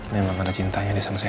memang ada cintanya di sama elsa